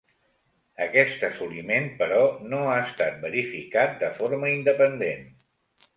Aquest assoliment, però, no ha estat verificat de forma independent.